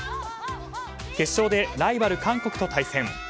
決勝でライバル韓国と対戦。